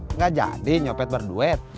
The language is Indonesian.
enggak jadi nyopet berduet